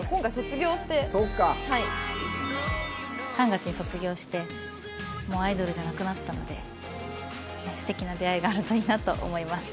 ３月に卒業してもうアイドルじゃなくなったので素敵な出会いがあるといいなと思います。